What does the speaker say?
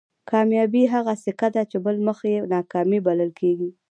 کامیابي هغه سکه ده چې بل مخ یې ناکامي بلل کېږي.